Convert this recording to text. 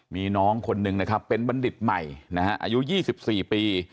มีน้องคนนึงนะครับเป็นบรรดิษฐ์ใหม่อายุ๒๔ปี